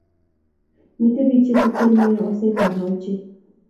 Miten pik che Tuten nea osent ab mauche